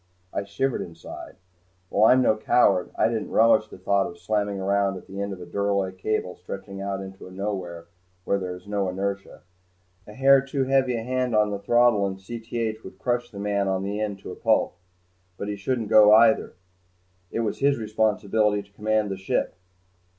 I shivered inside. While I'm no coward, I didn't relish the thought of slamming around at the end of a duralloy cable stretching into a nowhere where there was no inertia. A hair too heavy a hand on the throttle in Cth would crush the man on the end to a pulp. But he shouldn't go either. It was his responsibility to command the ship.